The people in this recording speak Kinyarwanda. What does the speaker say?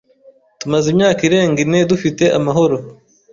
Tumaze imyaka irenga ine dufite amahoro.